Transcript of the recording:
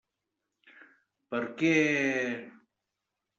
Per què…?